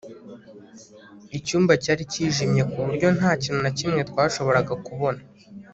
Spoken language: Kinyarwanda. Icyumba cyari cyijimye ku buryo nta kintu na kimwe twashoboraga kubona